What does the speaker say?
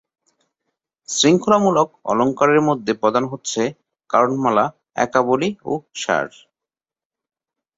শৃঙ্খলামূলক অলঙ্কারের মধ্যে প্রধান হচ্ছে কারণমালা, একাবলি ও সার।